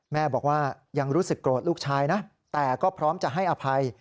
แม่บอกว่ายังรู้สึกโกรธลูกชายนะแต่ก็พร้อมจะให้อภัย